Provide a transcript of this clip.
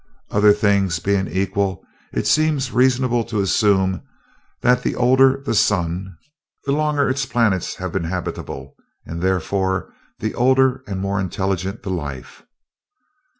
Other things being equal, it seems reasonable to assume that the older the sun, the longer its planets have been habitable, and therefore the older and more intelligent the life...."